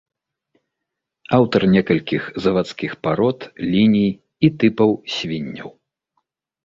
Аўтар некалькіх завадскіх парод, ліній і тыпаў свінняў.